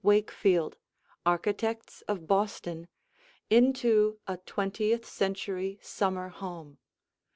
Wakefield, architects of Boston, into a twentieth century summer home.